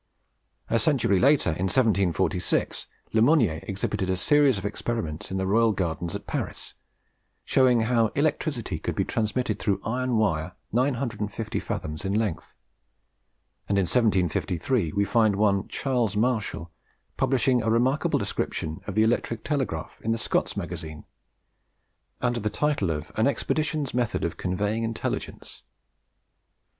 A century later, in 1746, Le Monnier exhibited a series of experiments in the Royal Gardens at Paris, showing how electricity could be transmitted through iron wire 950 fathoms in length; and in 1753 we find one Charles Marshall publishing a remarkable description of the electric telegraph in the Scots Magazine, under the title of 'An expeditions Method of conveying Intelligence.'